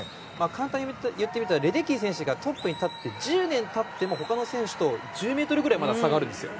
簡単に言ったらトップに立って１０年経っても他の選手と１０ｍぐらい差があるんです。